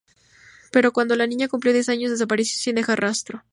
Pero cuando la niña cumplió diez años desapareció sin dejar rastro.